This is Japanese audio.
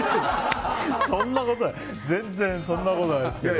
そんなことない全然そんなことないですけど。